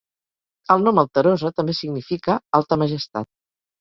EL nom Alterosa també significa "Alta Majestat".